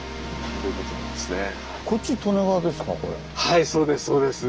はいそうですそうです。